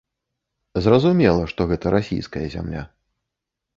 Зразумела, што гэта расійская зямля.